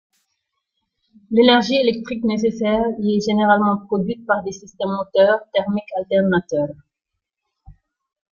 L'énergie électrique nécessaire y est généralement produite par des systèmes moteurs thermiques-alternateurs.